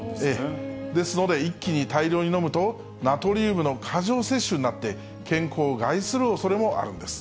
ですので、一気に大量に飲むと、ナトリウムの過剰摂取になって、健康を害するおそれもあるんです。